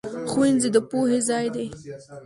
ښوونځی د پوهې ځای دی